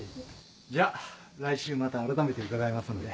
じゃあ来週また改めて伺いますので。